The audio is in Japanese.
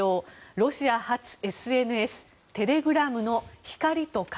ロシア発ＳＮＳテレグラムの光と影。